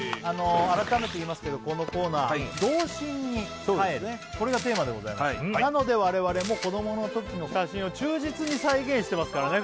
改めて言いますけどこのコーナー童心に帰るこれがテーマでございますなので我々も子供の時の写真を忠実に再現してますからね